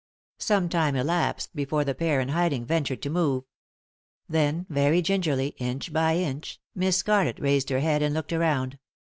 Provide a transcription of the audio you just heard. Some time elapsed before the pair in hiding ventured to move. Then, very gingerly, inch by inch, Miss Scarlett raised her head and looked around.